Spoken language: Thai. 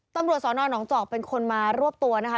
ตำรวจสอนอนหนองจอกเป็นคนมารวบตัวนะคะ